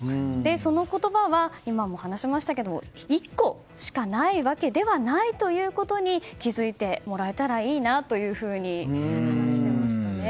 その言葉は今も話しましたけれども１個しかないわけではないということに気づいてもらえたらいいなというふうに話していましたね。